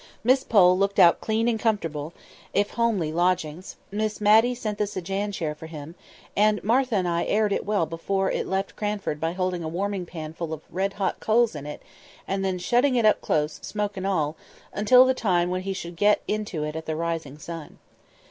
Miss Pole looked out clean and comfortable, if homely, lodgings; Miss Matty sent the sedan chair for him, and Martha and I aired it well before it left Cranford by holding a warming pan full of red hot coals in it, and then shutting it up close, smoke and all, until the time when he should get into it at the "Rising Sun."